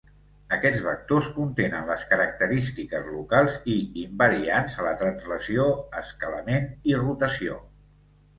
Aquests vectors contenen les característiques locals i invariants a la translació, escalament i rotació.